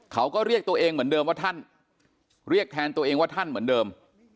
เขาก็เรียกตัวเองเหมือนเดิมว่าท่านเรียกแทนตัวเองว่าท่านเหมือนเดิม